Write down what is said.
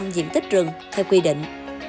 bảy mươi diện tích rừng theo quy định